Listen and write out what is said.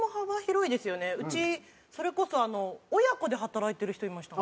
うちそれこそ親子で働いてる人いましたもん。